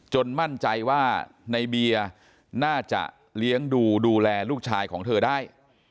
มั่นใจว่าในเบียร์น่าจะเลี้ยงดูดูแลลูกชายของเธอได้